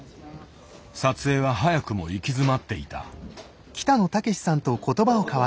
撮影は早くも行き詰まっていた。